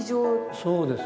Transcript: そうです。